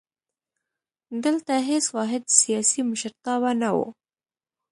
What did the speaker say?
دلته هېڅ واحد سیاسي مشرتابه نه وو.